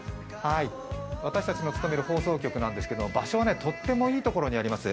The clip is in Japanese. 私たちの務める放送局なんですけど場所はとってもいいところにあります。